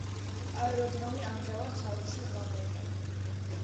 აეროდრომი ამჟამად სავარჯიშოდ გამოიყენება.